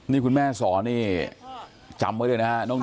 นี่คุณแม่สอนนี่จำไว้เลยนะฮะ